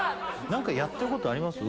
何かやってることあります？